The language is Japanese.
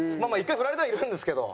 １回フラれてはいるんですけど。